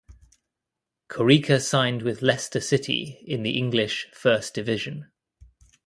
Corica signed with Leicester City in the English First Division.